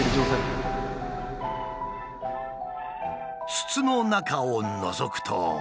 筒の中をのぞくと。